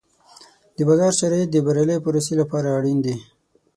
د بازار شرایط د بریالۍ پروسې لپاره اړین دي.